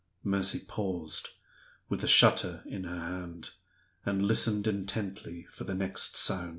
Mercy paused, with the shutter in her hand, and listened intently for the next sound.